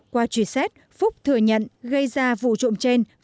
qua truy xét phúc thừa nhận gây ra vụ trộm trên